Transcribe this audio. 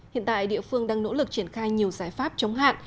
hiện tại địa phương đang nỗ lực triển khai nhiều giải pháp chống hạn